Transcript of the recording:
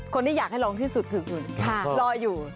คนที่อยากให้ลองที่สุดคือคุณรออยู่